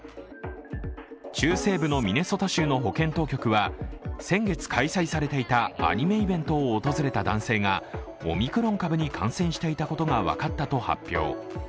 中西部のミネソタ州の保健当局は先月開催されていたアニメイベントを訪れた男性がオミクロン株に感染していたことが分かったと発表。